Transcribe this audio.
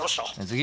次。